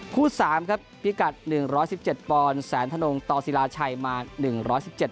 สามครับพิกัดหนึ่งร้อยสิบเจ็ดปอนด์แสนธนงต่อศิลาชัยมาหนึ่งร้อยสิบเจ็ด